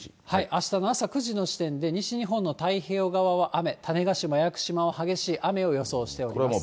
あしたの朝９時の時点で、西日本の太平洋側は雨、種子島、屋久島は激しい雨を予想しております。